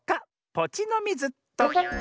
ポチのミズっと。